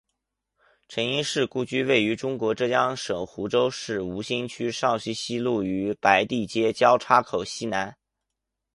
陈英士故居位于中国浙江省湖州市吴兴区苕溪西路与白地街交叉口西南。